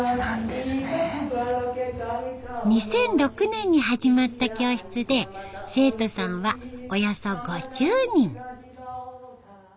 ２００６年に始まった教室で生徒さんはおよそ５０人。